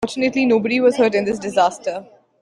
Fortunately, nobody was hurt in this disaster.